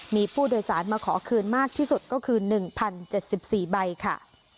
มีผู้โดยสารมาขอคืนมากที่สุดก็คือ๑๐๗๔ใบค่ะ